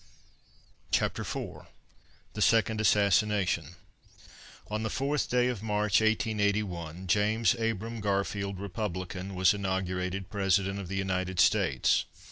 CHAPTER IV THE SECOND ASSASSINATION On the fourth day of March, 1881, James Abram Garfield, Republican, was inaugurated President of the United States.